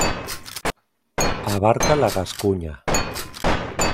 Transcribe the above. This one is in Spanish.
Abarca la Gascuña.